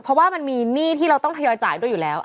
เพราะว่ามันมีหนี้ที่เราต้องทยอยจ่ายด้วยอยู่แล้ว